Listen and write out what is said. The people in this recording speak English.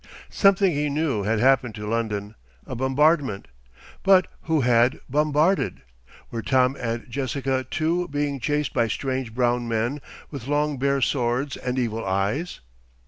Something, he knew, had happened to London a bombardment. But who had bombarded? Were Tom and Jessica too being chased by strange brown men with long bare swords and evil eyes?